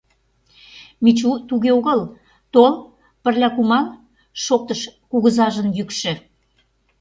— Мичу, туге огыл, тол, пырля кумал, — шоктыш кугызажын йӱкшӧ.